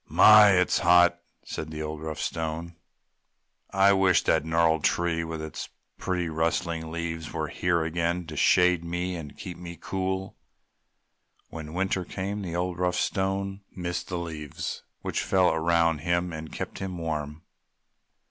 "My! It's hot!" said the old, rough Stone, "I wish the gnarled tree with its pretty rustling leaves were here again to shade me and keep me cool!" When winter came the old, rough Stone missed the leaves which fell around him and kept him warm.